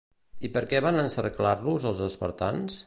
I per què van encarcerar-los els espartans?